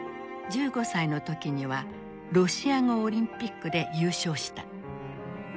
１５歳の時にはロシア語オリンピックで優勝した。